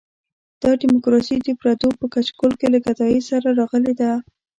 دا ډیموکراسي د پردو په کچکول کې له ګدایۍ سره راغلې ده.